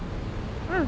うん。